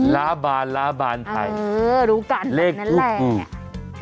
ล้าบานล้าบานไทยเลขทูปเออรู้กันแบบนั้นแหละ